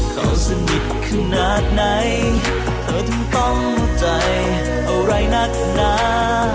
เขาสนิทขนาดไหนเธอถึงต้องใจอะไรนักหนา